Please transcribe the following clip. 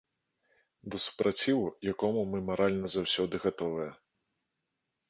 Да супраціву якому мы маральна заўсёды гатовыя.